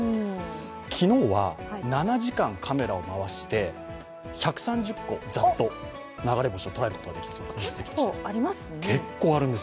昨日は７時間カメラを回して、１３０個ざっと流れ星を捉えることができたそうです。